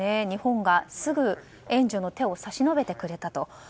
日本がすぐ援助の手を差し伸べてくれた。